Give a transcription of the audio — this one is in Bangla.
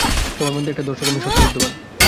সবার মধ্যেই একটা ধর্ষকামী সত্ত্বা বিদ্যমান।